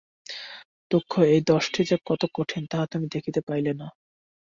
দুঃখ এই, দণ্ডটি যে কত কঠিন, তাহা তুমি দেখিতে পাইলে না।